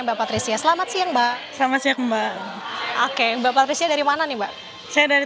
bapak trisia selamat siang mbak selamat siang mbak oke mbak patricia dari mana nih mbak saya dari